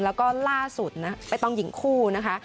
แล้วก็ล่าสุดไม่ต้องยิงคู่นะคะ